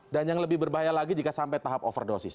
dan yang lebih berbahaya lagi jika sampai tahap overdosis